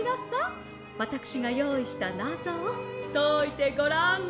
わたくしがよういしたナゾをといてごらんな」。